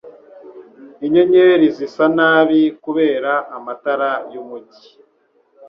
Inyenyeri zisa nabi kubera amatara yumujyi.